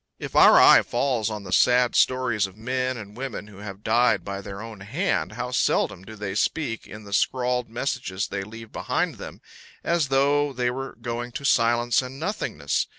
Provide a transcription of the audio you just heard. If our eye falls on the sad stories of men and women who have died by their own hand, how seldom do they speak in the scrawled messages they leave behind them as though they were going to silence and nothingness!